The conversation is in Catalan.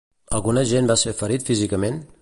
Algun agent va ser ferit físicament?